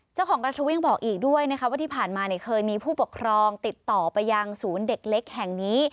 เจ้าของร้านทวินบอกอีกด้วยนะคะว่าที่ผ่านมาเนี่ยเคยมีผู้ปกครองติดต่อไปยังศูนย์เด็กเล็กแห่งนี้